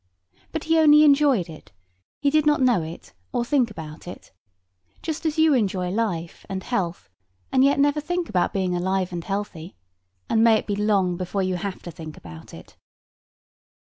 But he only enjoyed it: he did not know it, or think about it; just as you enjoy life and health, and yet never think about being alive and healthy; and may it be long before you have to think about it!